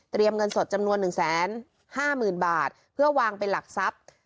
เงินสดจำนวน๑๕๐๐๐บาทเพื่อวางเป็นหลักทรัพย์